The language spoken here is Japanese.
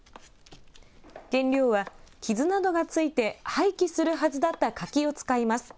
原料は傷などがついて廃棄するはずだった柿を使います。